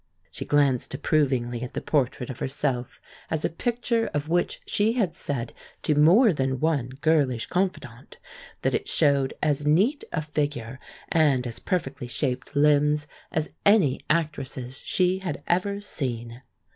She glanced approvingly at the portrait of herself as a picture of which she had said to more than one girlish confidante that it showed as neat a figure and as perfectly shaped limbs as any actress's she had ever seen.